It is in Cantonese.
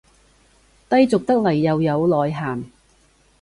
低俗得來又有內涵